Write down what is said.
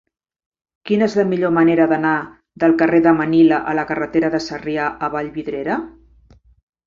Quina és la millor manera d'anar del carrer de Manila a la carretera de Sarrià a Vallvidrera?